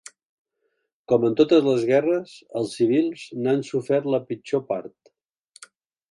Com en totes les guerres, els civils n’han sofert la pitjor part.